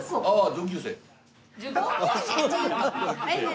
ああ